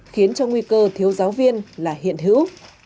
khiến cho nguy cơ thiếu giáo viên là hiện hữu